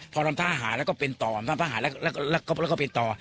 พอทำท่าหาแล้วก็เป็นต่อลำน้ำท่าหาแล้วก็เป็นต่อ